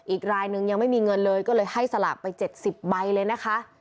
อีกรายนึงยังไม่มีเงินเลยก็เลยให้สลากไป๗๐ใบเลยนะคะ